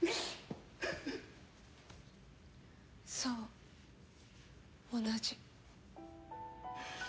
そう同じ。